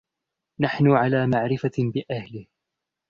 نحن على معرفة بأهله.